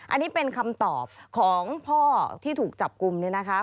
อันนี้เป็นคำตอบของพ่อที่ถูกจับกลุ่มเนี่ยนะคะ